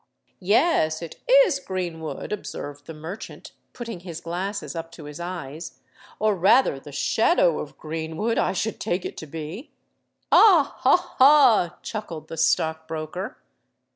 "Yes—it is Greenwood," observed the merchant, putting his glasses up to his eyes: "or rather the shadow of Greenwood, I should take it to be." "Ah! ha! ha!" chuckled the stockbroker.